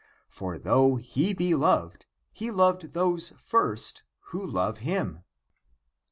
For though he be loved, he loved those first who love him."